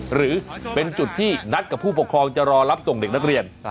หรือเป็นจุดที่นัดกับผู้ปกครองจะรอรับส่งเด็กนักเรียน